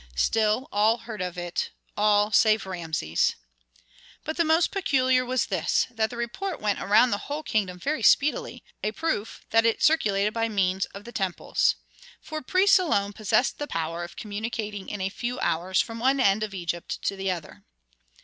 Still, all heard of it all save Rameses. But most peculiar was this, that the report went around the whole kingdom very speedily; a proof that it circulated by means of the temples. For priests alone possessed the power of communicating in a few hours from one end of Egypt to the other.